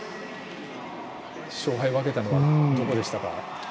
勝敗を分けたのはどこでしたか？